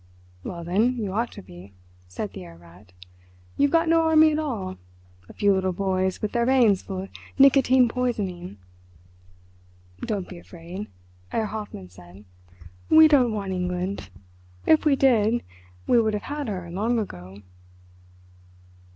"Well, then, you ought to be," said the Herr Rat. "You have got no army at all—a few little boys with their veins full of nicotine poisoning." "Don't be afraid," Herr Hoffmann said. "We don't want England. If we did we would have had her long ago.